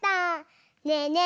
ねえねえ